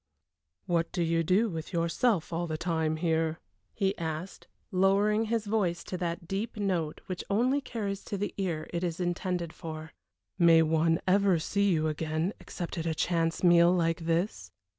"What do you do with yourself all the time here?" he asked, lowering his voice to that deep note which only carries to the ear it is intended for. "May one ever see you again except at a chance meal like this?"